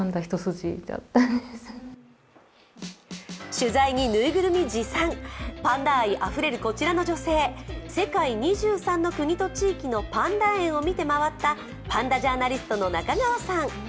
取材に縫いぐるみ持参、パンダ愛あふれるこちらの女性、世界２３の国と地域のパンダ園を見て回ったパンダジャーナリストの中川さん。